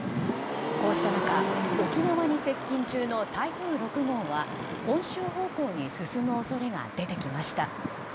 こうした中、沖縄に接近中の台風６号は本州方向に進む恐れが出てきました。